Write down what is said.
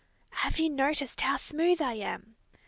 "Have you noticed how smooth I am?"